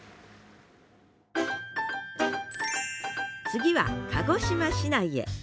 次は鹿児島市内へ。